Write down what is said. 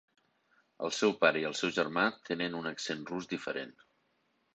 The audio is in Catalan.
El seu pare i el seu germà tenen un accent rus diferent.